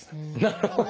なるほど！